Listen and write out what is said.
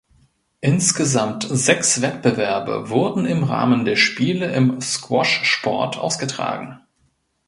Insgesamt sechs Wettbewerbe wurden im Rahmen der Spiele im Squashsport ausgetragen.